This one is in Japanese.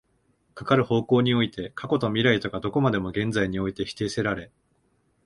かかる方向において過去と未来とがどこまでも現在において否定せられ、